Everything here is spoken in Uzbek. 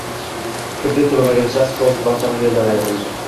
Kredit to‘lamagan shaxs “Cobalt” avtomobilidan ayrildi